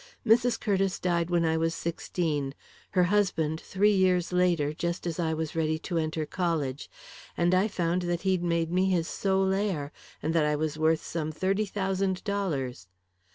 Mrs. Curtiss died when I was sixteen, her husband three years later, just as I was ready to enter college; and I found that he'd made me his sole heir, and that I was worth some thirty thousand dollars.